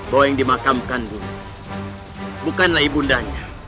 bahwa yang dimakamkan dulu bukanlah ibundanya